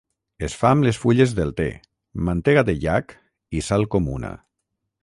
Es fa amb les fulles del te, mantega de iac i sal comuna.